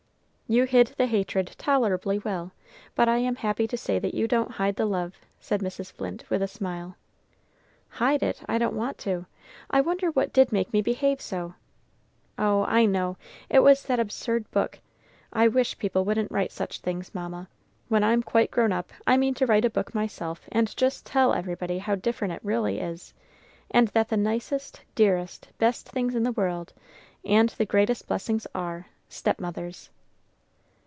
"You hid the hatred tolerably well, but I am happy to say that you don't hide the love," said Mrs. Flint, with a smile. "Hide it? I don't want to! I wonder what did make me behave so? Oh, I know, it was that absurd book! I wish people wouldn't write such things, Mamma. When I'm quite grown up I mean to write a book myself, and just tell everybody how different it really is, and that the nicest, dearest, best things in the world, and the greatest blessings, are stepmothers."